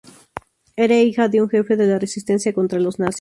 Era hija de un jefe de la resistencia contra los nazis.